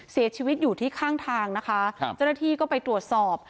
เสียชีวิตอยู่ที่ข้างทางนะคะครับเจ้าหน้าที่ก็ไปตรวจสอบ